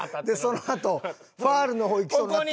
そのあとファウルの方いきそうになったから。